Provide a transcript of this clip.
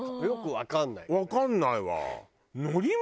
わかんないわ。